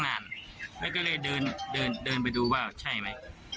แล้วก็เลยเดินเดินไปดูว่าใช่ไหม